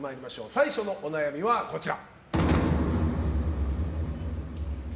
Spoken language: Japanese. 最初のお悩みはこちら。